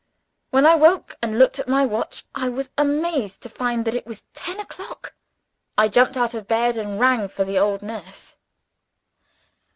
When I woke, and looked at my watch, I was amazed to find that it was ten o'clock. I jumped out of bed, and rang for the old nurse.